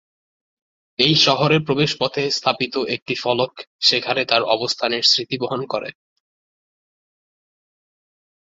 এই শহরের প্রবেশপথে স্থাপিত একটি ফলক সেখানে তার অবস্থানের স্মৃতি বহন করে।